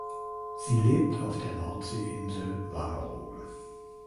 Sie lebt auf der Nordseeinsel Wangerooge.